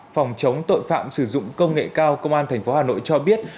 phòng chống tội phạm sử dụng công nghệ cao công an thành phố hà nội cho biết